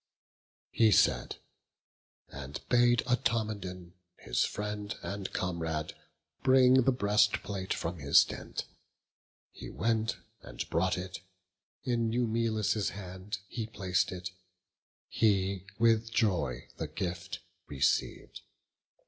He said, and bade Automedon, his friend And comrade, bring the breastplate from his tent; He went, and brought it; in Eumelus' hand He plac'd it; he with joy the gift receiv'd.